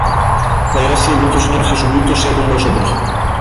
La gracia de nuestro Señor Jesucristo sea con vosotros.